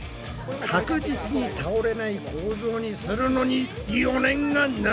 確実に倒れない構造にするのに余念がない！